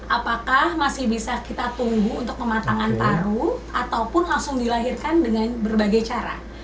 apakah masih bisa kita tunggu untuk kematangan paru ataupun langsung dilahirkan dengan berbagai cara